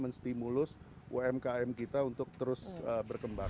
menstimulus umkm kita untuk terus berkembang